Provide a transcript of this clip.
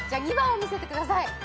２番を見せてください。